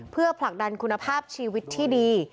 เพื่อผลักดันคุณภาพชีวิตที่ดี